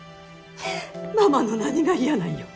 ママの何が嫌なんよ？